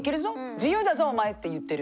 自由だぞお前！って言ってる。